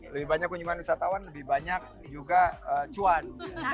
lebih banyak kunjungan wisatawan lebih banyak juga cuan